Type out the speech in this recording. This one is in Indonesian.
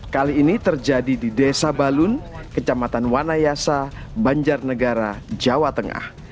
kali ini terjadi di desa balun kecamatan wanayasa banjarnegara jawa tengah